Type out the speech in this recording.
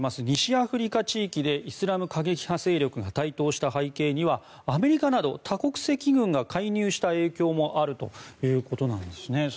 西アフリカ地域でイスラム過激派勢力が台頭した背景にはアメリカなど多国籍軍が介入した影響もあるということなんですね。